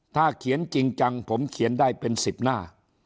ถ้าเขียนจริงจังผมเขียนได้เป็น๑๐หน้า